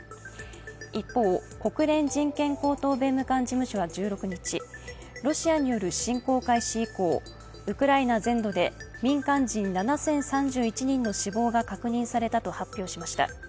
一方、国連人権高等弁務官事務所は１６日、ロシアによる侵攻開始以降ウクライナ全土で民間人７０３１人の死亡が確認されたと発表しました。